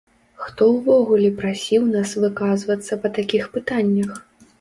Хто ўвогуле прасіў нас выказвацца па такіх пытаннях?